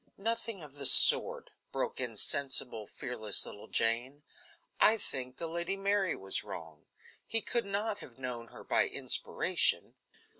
"Nothing of the sort," broke in sensible, fearless little Jane; "I think the Lady Mary was wrong. He could not have known her by inspiration."